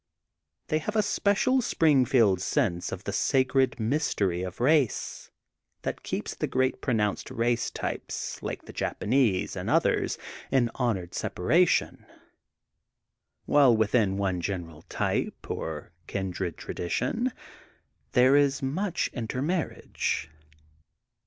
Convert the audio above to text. They have a special Springfield sense of the sacred mystery of race, that keeps the great pro nounced race types like the Japanese and others in honored separation, while within one general type or kindred tradition, there is much intermarriage.